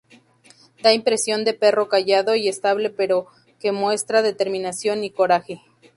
Da impresión de perro callado y estable pero que muestra determinación y coraje.